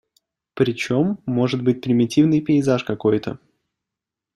Причем, может быть примитивный пейзаж какой-то.